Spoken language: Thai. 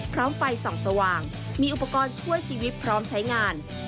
พร้อมไฟส่องสว่างมีอุปกรณ์ช่วยชีวิตพร้อมใช้งาน